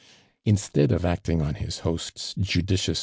Instead of acting on his host's judicious